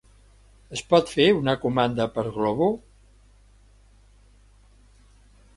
Es pot fer una comanda per Glovo?